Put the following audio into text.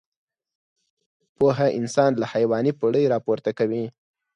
پوهه انسان له حيواني پوړۍ راپورته کوي.